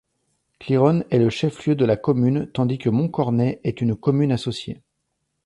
Cliron est le chef-lieu de la commune tandis que Montcornet est une commune associée.